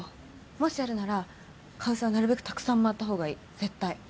もしやるならカウセはなるべくたくさん回った方がいい絶対。